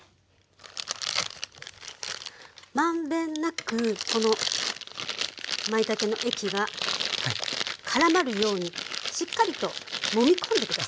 満遍なくこのまいたけの液がからまるようにしっかりともみ込んで下さい。